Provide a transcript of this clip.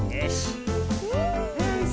よし。